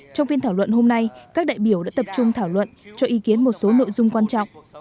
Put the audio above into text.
trong phiên thảo luận hôm nay các đại biểu đã tập trung thảo luận cho ý kiến một số nội dung quan trọng